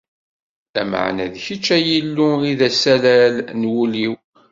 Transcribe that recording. Lameɛna d kečč, ay Illu i d asalel n wul-iw.